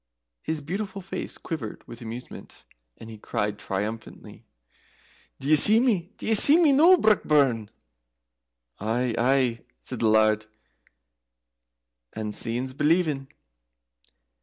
His beautiful face quivered with amusement, and he cried triumphantly, "D'ye see me? d'ye see me noo, Brockburn?" "Aye, aye," said the Laird; "and seein's believin'."